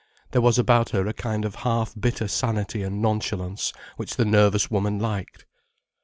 There was about her a kind of half bitter sanity and nonchalance which the nervous woman liked.